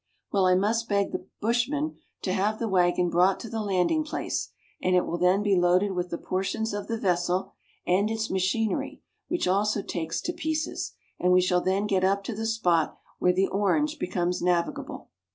"Well, I must beg the bushman to have the waggon brought to the landing place, and it will then be loaded with the portions of the vessel and its machinery, which also takes to pieces ; and we shall then get up to the spot where the Orange becomes navigable."